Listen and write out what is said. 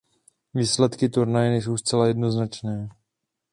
Výsledky turnaje nejsou zcela jednoznačné.